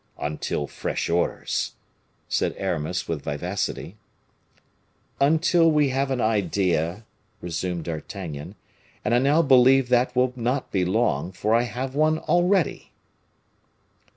"Until fresh orders," said Aramis, with vivacity. "Until we have an idea," resumed D'Artagnan; "and I now believe that will not be long, for I have one already."